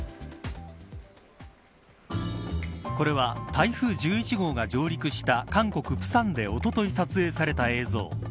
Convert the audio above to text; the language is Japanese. これは、台風１１号が上陸した韓国、釜山でおととい撮影され映像。